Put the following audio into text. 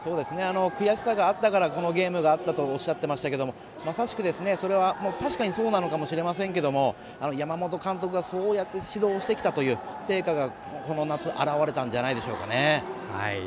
悔しさがあったからこのゲームがあったとおっしゃっていましたがまさしく、それは確かにそうなのかもしれませんけども山本監督がそうやって指導してきたという成果がこの夏、現れたんじゃないでしょうかね。